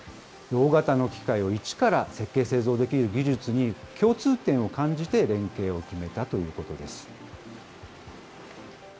大型の機械を一から設計・製造できる技術に共通点を感じて連携を決めたということです。